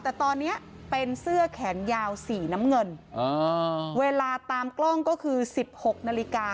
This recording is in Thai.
แต่ตอนนี้เป็นเสื้อแขนยาวสีน้ำเงินเวลาตามกล้องก็คือ๑๖นาฬิกา